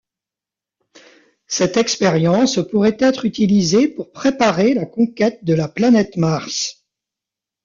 Cette expérience pourrait être utilisée pour préparer la conquête de la planète Mars.